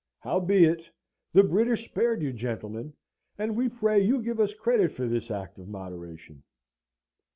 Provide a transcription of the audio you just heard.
Howbeit, the British spared you, gentlemen, and we pray you give us credit for this act of moderation.